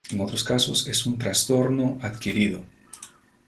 En otros casos es un trastorno adquirido.